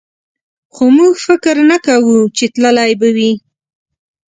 خو موږ فکر نه کوو چې تللی به وي.